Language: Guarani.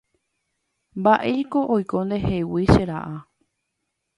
Mba'éiko oiko ndehegui che ra'a.